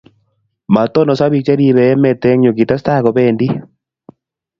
Matononso Biko cheribe emet eng yuu kitestai kobendi